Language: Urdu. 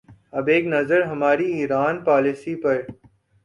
اب ایک نظر ہماری ایران پالیسی پر۔